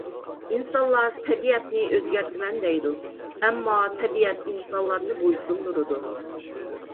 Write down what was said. ئىنسانلار تەبىئەتنى ئۆزگەرتىمەن دەيدۇ، ئەمما تەبىئەت ئىنسانلارنى بويسۇندۇرىدۇ.